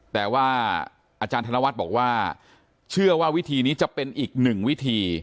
แต่ว่าอาจารย์ธนวัฒน์บอกว่าเชื่อว่าวิธีนี้จะเป็นอีกหนึ่งวิธี